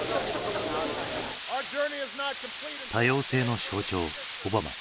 多様性の象徴オバマ。